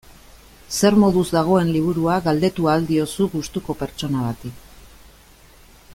Zer moduz dagoen liburua galdetu ahal diozu gustuko pertsona bati.